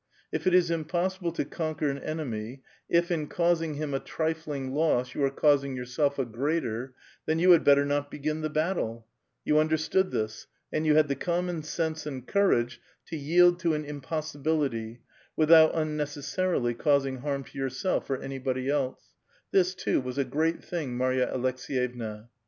If it is impossible to con \ cjuer an enemy ; if, in causing him a trifling loss you are cans ing yourself a greater, then you had better not begin the X^attle ; you understood this, and you had the common sense ^ud courage to yield to an impossibility, without unnecessarily ^^ausing harm to yourself or anybody else : this, too, was a .^reat thing, Mai ya Aleks^yevna.